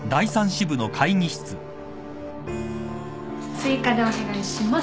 追加でお願いします。